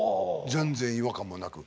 全然違和感もなく。